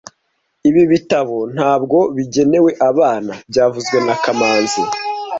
Ibi bitabo ntabwo bigenewe abana byavuzwe na kamanzi